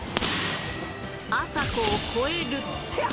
あさこを超える。